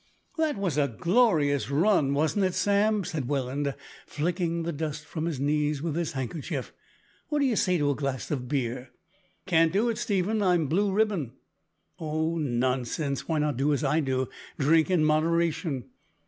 "That was a glorious run, wasn't it, Sam?" said Welland, flicking the dust from his knees with his handkerchief. "What d'ye say to a glass of beer?" "Can't do it, Stephen, I'm Blue Ribbon." "Oh! nonsense. Why not do as I do drink in moderation?"